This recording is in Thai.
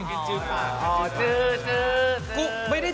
คิดดึกปาก